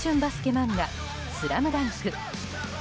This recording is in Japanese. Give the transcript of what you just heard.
漫画「ＳＬＡＭＤＵＮＫ」。